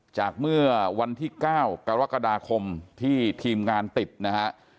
จากเมื่อวันที่๙กรกฎาคมที่ทีมงานติดนะฮะ